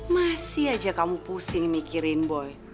masih aja kamu pusing mikirin boy